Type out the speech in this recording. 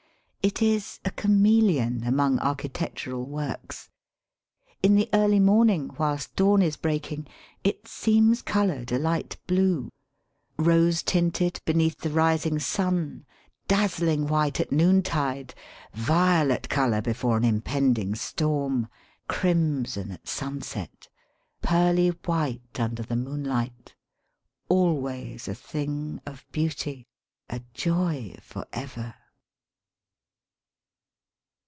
It is a chameleon among archi tectural works. In the early morning whilst dawn is breaking it seems coloured a light blue. Eose tinted beneath the rising sun, dazzling white at noon tide, violet colour before an impending storm, crimson at sunset, pearly white under the moonlight, always a thing of beauty, a joy for ever.